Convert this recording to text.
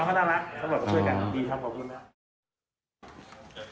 น้องเขาน่ารักสำหรับเพื่อนกันดีทำขอบคุณนะ